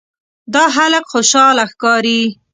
دا هلک خوشاله ښکاري.